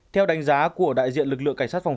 theo đánh giá của đại diện lực lượng cảnh sát phòng